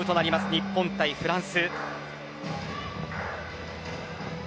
日本対フランス。